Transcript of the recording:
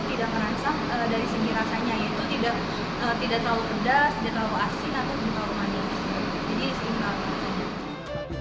tidak merangsang dari segi rasanya itu tidak tidak terlalu pedas tidak terlalu asin atau